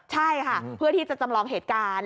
ใช่ค่ะเพื่อที่จะจำลองเหตุการณ์